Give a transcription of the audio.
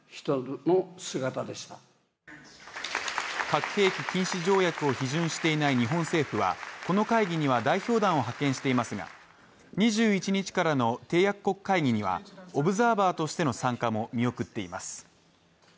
核兵器禁止条約を批准していない日本政府はこの会議には代表団を派遣していますが２１日からの締約国会議にはオブザーバーとしての参加も見送っています。